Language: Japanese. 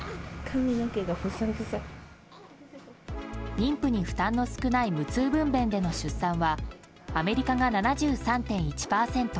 妊婦に負担の少ない無痛分娩での出産はアメリカが７３．１％